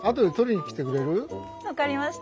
分かりました。